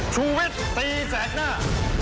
ชูวิทย์ตีแสกหน้า